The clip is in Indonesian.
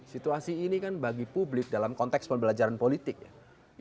situasi ini kan bagi publik dalam konteks pembelajaran politik ya